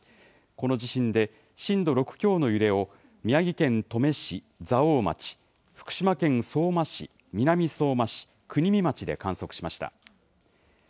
この地震で、震度６強の揺れを宮城県登米市、蔵王町、福島県相馬市、南相馬市、国見町で観測しました。